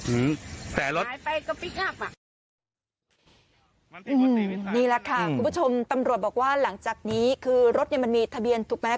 นี่แหละค่ะคุณผู้ชมตำรวจบอกว่าหลังจากนี้คือรถเนี้ยมันมีทะเบียนถูกไหม